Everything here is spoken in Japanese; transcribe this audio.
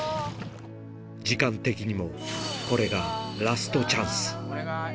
時間的にも、これがラストチャンス。